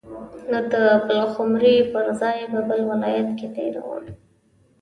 نو د پلخمري پر ځای به بل ولایت کې تیروم.